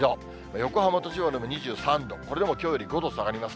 横浜と千葉でも２３度、これでもきょうより５度下がります。